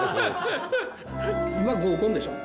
今は合コンでしょう。